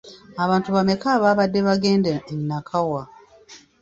Abantu bameka abaabadde bagenda e Nakawa?